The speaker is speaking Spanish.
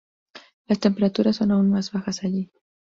Las temperaturas son aún más bajas allí.